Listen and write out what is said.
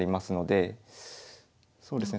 そうですね。